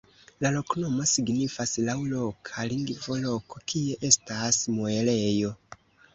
La loknomo signifas laŭ loka lingvo "loko kie estas muelejo".